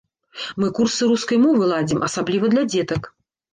Мы курсы рускай мовы ладзім, асабліва для дзетак.